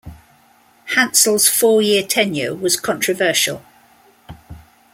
Hansel's four-year tenure was controversial.